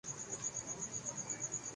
تنخواہ بھی کچھ خاص نہیں تھی ۔